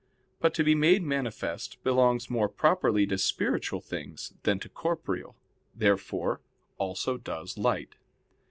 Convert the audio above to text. But to be made manifest belongs more properly to spiritual things than to corporeal. Therefore also does light.